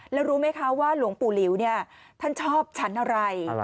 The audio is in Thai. แล้วรู้ไหมคะว่าหลวงปู่หลิวเนี่ยท่านชอบชั้นอะไร